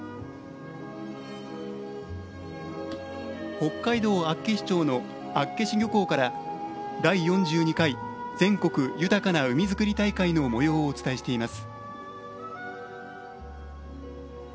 北海道厚岸町の厚岸漁港から「第４２回全国豊かな海づくり大会」のもようをお伝えしています。